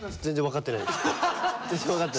全然分かってない。